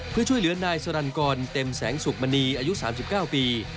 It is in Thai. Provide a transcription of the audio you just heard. เพื่อช่วยเหลือนายสรรกรเต็มแสงสุขมณีอายุ๓๙ปี